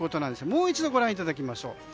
もう一度ご覧いただきましょう。